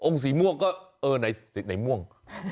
องค์สีม่วงก็เออสิไหนม่วง